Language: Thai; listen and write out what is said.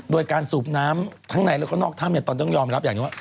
โดยการสูบน้ำทั้งในแล้วก็นอกถ้ำตอนต้องยอมรับอย่างนี้ว่า